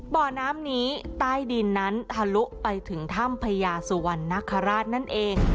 บ่อน้ำนี้ใต้ดินนั้นทะลุไปถึงถ้ำพญาสุวรรณนคราชนั่นเอง